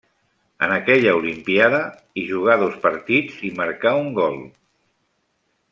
En aquella Olimpíada, hi jugà dos partits, i marcà un gol.